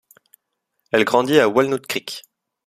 Elle grandit à Walnut Creek.